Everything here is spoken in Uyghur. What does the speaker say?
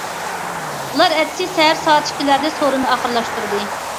ئۇلار ئەتىسى سەھەر سائەت ئىككىلەردە سورۇننى ئاخىرلاشتۇردى.